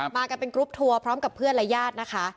มากันเป็นกรุ๊ปทัวร์พร้อมกับเพื่อนและญาตินะคะ